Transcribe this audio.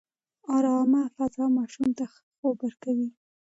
ارامه فضا ماشوم ته ښه خوب ورکوي.